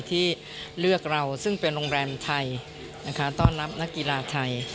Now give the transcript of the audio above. ที่เลือกเราซึ่งเป็นโรงแรมไทยต้อนรับนักกีฬาไทย